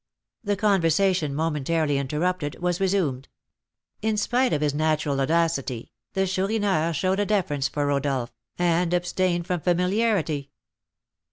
The conversation, momentarily interrupted, was resumed. In spite of his natural audacity, the Chourineur showed a deference for Rodolph, and abstained from familiarity.